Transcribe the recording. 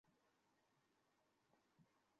আমরা তোমাকে ভালোবাসি।